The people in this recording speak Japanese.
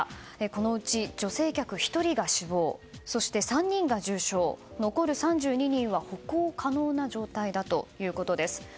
このうち女性客１人が死亡そして３人が重傷残る３２人は歩行可能な状態だということです。